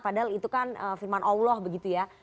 padahal itu kan firman allah begitu ya